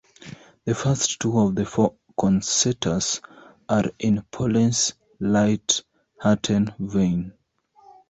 The first two of the four concertos are in Poulenc's light-hearted vein.